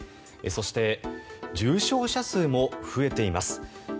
そして重症者数も増えています。